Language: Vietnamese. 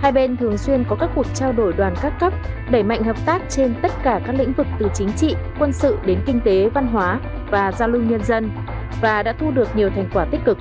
hai bên thường xuyên có các cuộc trao đổi đoàn các cấp đẩy mạnh hợp tác trên tất cả các lĩnh vực từ chính trị quân sự đến kinh tế văn hóa và giao lưu nhân dân và đã thu được nhiều thành quả tích cực